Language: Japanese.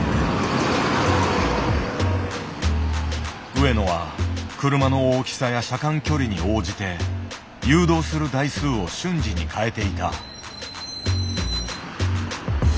上野は車の大きさや車間距離に応じて誘導する台数を瞬時に変えていた。